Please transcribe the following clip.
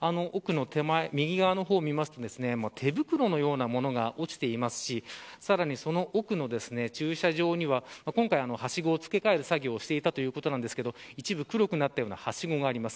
右側を見ると手袋のようなものが落ちていますしさらにその奥の駐車場には今回、はしごを付け替える作業をしていたということですが一部、黒くなったようなはしごがあります。